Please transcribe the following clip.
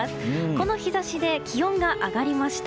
この日差しで気温が上がりました。